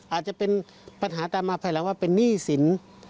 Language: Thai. อาจจะเป็นปัญหาตามมาภายหลังว่าเป็นหนี้สิน